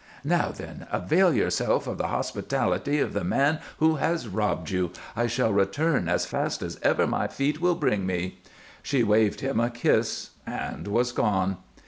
Now, then, avail yourself of the hospitality of the man who has robbed you. I shall return as fast as ever my feet will bring me." She waved him a kiss and was gone.